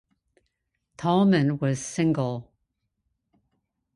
Thalmann was single.